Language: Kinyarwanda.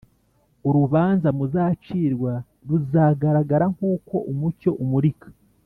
Urubanza muzacirwa ruzagaragara nk uko umucyo umurika